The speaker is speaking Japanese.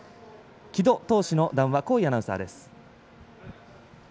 続いては城戸投手の談話、厚井アナウンサーです。